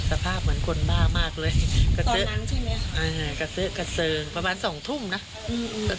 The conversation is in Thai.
สภาพเหมือนคนบ้ามากเลยตอนนั้นใช่ไหมอ่าประมาณสองทุ่มน่ะอืม